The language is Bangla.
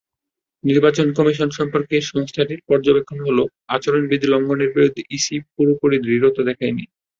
নির্বাচন কমিশন সম্পর্কে সংস্থাটির পর্যবেক্ষণ হলো, আচরণবিধি লঙ্ঘনের বিরুদ্ধে ইসি পুরোপুরি দৃঢ়তা দেখায়নি।